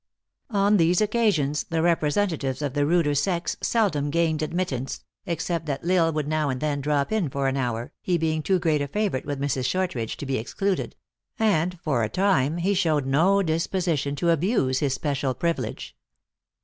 On these occasions the representatives of THE ACTRESS IN HIGH LIFE. 89 the ruder sex seldom gained admittance, except that L Isle would now and then drop in for an hour, he being too great a favorite with Mrs. Shortridge to be excluded; arid, for a time, he showed no disposition to abuse his special privilege.